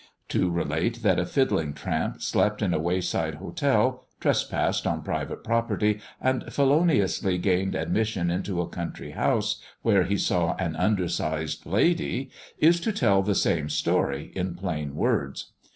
To relate that a fiddling tramp slept in a wayside hotel, trespassed on private property, and feloniously gained admission into a country house, where he saw an undersized lady, is to tell the same story in plain words.